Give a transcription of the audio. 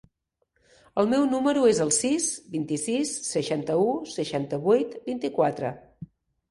El meu número es el sis, vint-i-sis, seixanta-u, seixanta-vuit, vint-i-quatre.